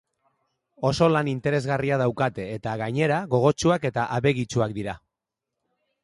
Oso lan interesgarria daukate, eta, gainera, gogotsuak eta abegitsuak dira.